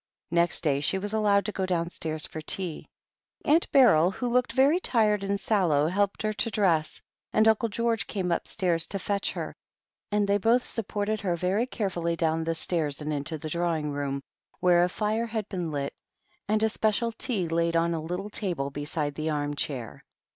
Next day she was allowed to go downstairs for tea. Aimt Beryl, who looked very tired and sallow, helped her to dress, and Uncle George came upstairs to fetch her, and they both supported her very carefully down the stairs and into the drawing room, where a fire had been lit, and a special tea laid on a little table beside the arm chair.